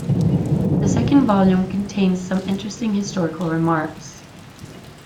The second volume contains some interesting historical remarks.